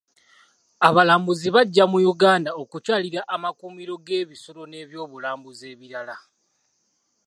Abalambuzi bajja mu Uganda okukyalira amakuumiro g'ebisolo nebyobulambuzi ebirala.